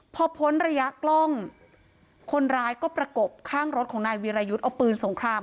พอพ้นระยะกล้องคนร้ายก็ประกบข้างรถของนายวีรยุทธ์เอาปืนสงคราม